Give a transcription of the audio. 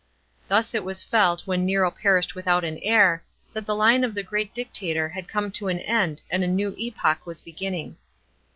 Thus it was felt, when Nero perished without an heir, that the line of the great Dictator had come to an end and a new epoch was beginning.